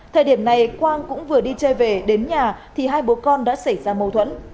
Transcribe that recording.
thời điểm này quang cũng vừa đi chơi về đến nhà thì hai bố con đã xảy ra mâu thuẫn